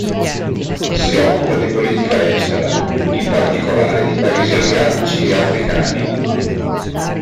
Si occupa di politica estera, in particolare di paesi asiatici e africani.